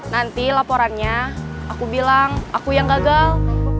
nanti laporannya aku bilang aku yang gagal